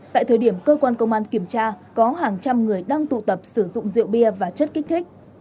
tại thời điểm cơ quan công an kiểm tra có hàng trăm người đang tụ tập sử dụng rượu bia và chất kích thích